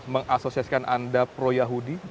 mengasosiasikan anda pro yahudi